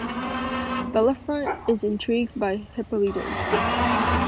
Bellafront is intrigued by Hippolito.